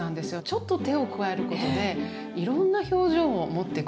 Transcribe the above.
ちょっと手を加えることでいろんな表情を持ってくれる。